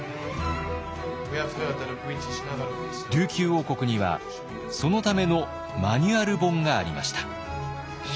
琉球王国にはそのためのマニュアル本がありました。